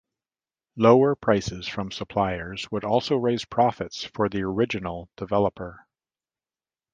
Lower prices from suppliers would also raise profits for the original developer.